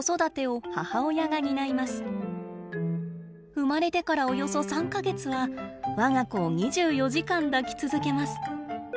生まれてからおよそ３か月は我が子を２４時間抱き続けます。